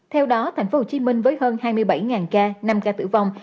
theo đó tp hcm với hơn hai mươi bảy ca năm ca tử vong